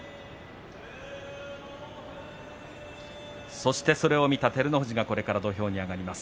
そしてそれを見た照ノ富士がこれから土俵に上がります。